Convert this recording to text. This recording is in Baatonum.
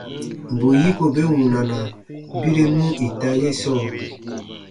Bù yiko be wunana birenu ita ye sɔɔ.